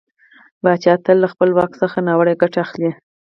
پاچا تل له خپله واک څخه ناوړه ګټه اخلي .